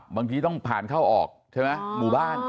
บางทีต้องผ่านเข้าออกใช่ไหมหมู่บ้าน